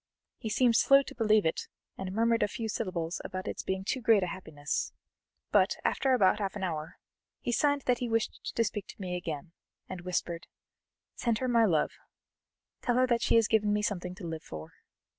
He seemed slow to believe it, and murmured a few syllables about its being too great a happiness; but, after about half an hour, he signed that he wished to speak to me again, and whispered: "Send her my love: tell her that she has given me something to live for."